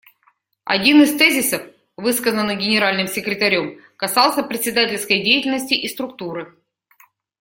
Один из тезисов, высказанных Генеральным секретарем, касался председательской деятельности и структуры.